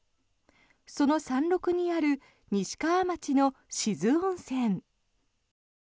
その山ろくにある西川町の志津温泉。